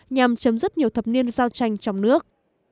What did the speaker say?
nhằm chấm dứt nhiều thập niên giao tranh trong nước